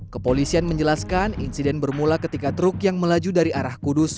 kepolisian menjelaskan insiden bermula ketika truk yang melaju dari arah kudus